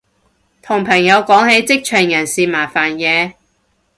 同朋友講起職場人事麻煩嘢